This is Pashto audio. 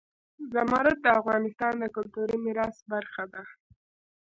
زمرد د افغانستان د کلتوري میراث برخه ده.